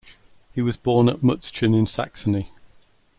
He was born at Mutzschen in Saxony.